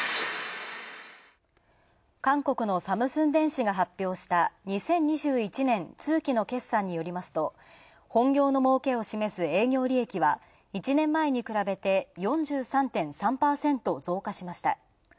韓国のサムスン電子が発表した、２０２１年通期の決算によりますと本業のもうけを示す営業利益は１年前に比べて４３．３％増加しました。